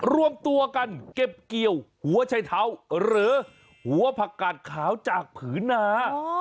รวมตัวกันเก็บเกี่ยวหัวชัยเท้าหรือหัวผักกาดขาวจากผืนนา